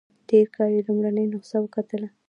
تېر کال یې لومړنۍ نسخه وکتله.